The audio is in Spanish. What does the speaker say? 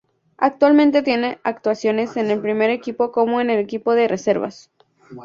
Actualmente tiene actuaciones en el primer equipo como en el equipo de reservas.